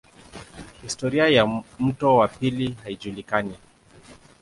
Historia ya mto wa pili haijulikani.